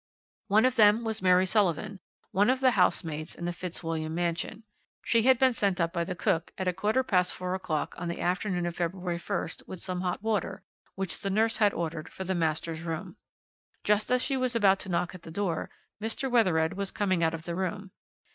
"One of them was Mary Sullivan, one of the housemaids in the Fitzwilliam mansion. She had been sent up by the cook at a quarter past four o'clock on the afternoon of February 1st with some hot water, which the nurse had ordered, for the master's room. Just as she was about to knock at the door Mr. Wethered was coming out of the room.